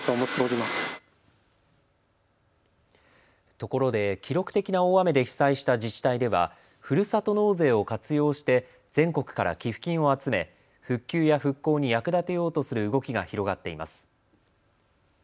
ところで記録的な大雨で被災した自治体ではふるさと納税を活用して全国から寄付金を集め復旧や復興に役立てようとする動きが広がっています。